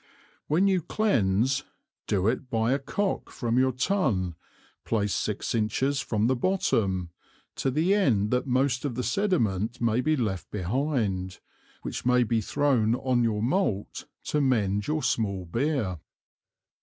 When you cleanse, do it by a Cock from your Tun, placed six Inches from the Bottom, to the end that most of the Sediment may be left behind, which may be thrown on your Malt to mend your Small Beer.